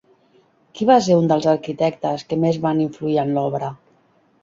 Qui va ser un dels arquitectes que més van influir en l'obra?